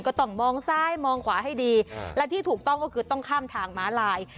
ก็ต้องมองซ้ายมองขวาให้ดีและที่ถูกต้องก็คือต้องข้ามทางม้าลาย